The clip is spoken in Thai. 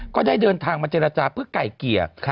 ก็ได้เดินทางมาเจรจาเพื่อไก่เกลี่ย